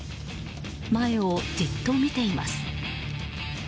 前を、じっと見ています。